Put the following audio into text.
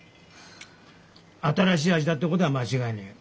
新しい味だってことは間違いねえ。